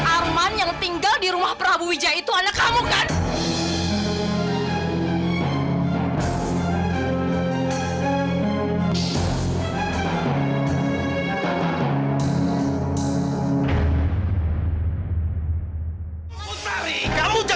arman yang tinggal di rumah prabu wijaya itu anak kamu kan